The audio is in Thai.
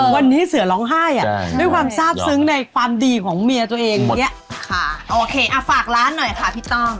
วันนี้เสือร้องไห้ด้วยความทราบซึ้งในความดีของเมียตัวเองอย่างนี้โอเคฝากร้านหน่อยค่ะพี่ต้อง